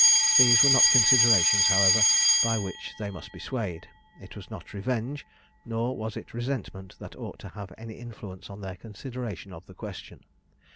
These were not considerations, however, by which they must be swayed. It was not revenge, nor was it resentment, that ought to have any influence on their consideration of the question.